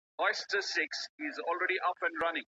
څنګه افغان صادروونکي تازه میوه هند ته لیږدوي؟